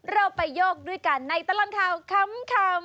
เราไปโยกด้วยกันในตลอดข่าวขำ